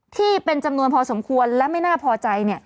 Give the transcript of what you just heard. ที่เป็นจำนวนพอสมควรและไม่น่าพอใจ